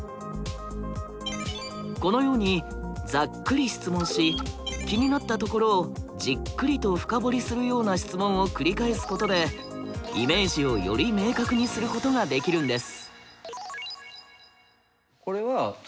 このようにざっくり質問し気になったところをじっくりと深掘りするような質問を繰り返すことでイメージをより明確にすることができるんです。